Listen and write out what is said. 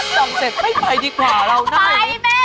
ส่งเสร็จให้ไปดีกว่าเรา